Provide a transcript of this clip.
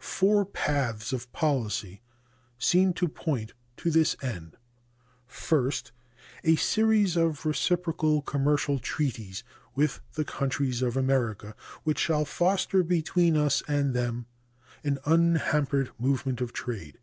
Four paths of policy seem to point to this end: First. A series of reciprocal commercial treaties with the countries of America which shall foster between us and them an unhampered movement of trade.